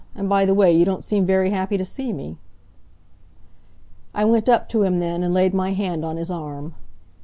And by the way, you don't seem very happy to see me?" I went up to him then, and laid my hand on his arm.